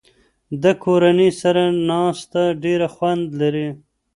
د کورنۍ سره ناسته ډېر خوند لري.